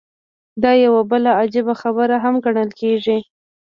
دا يوه بله عجيبه خبره هم ګڼل کېږي.